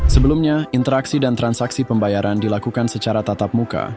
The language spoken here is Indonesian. sebelumnya interaksi dan transaksi pembayaran dilakukan secara tatap muka